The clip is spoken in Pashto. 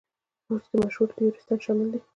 په بورډ کې مشهور تیوریستان شامل دي.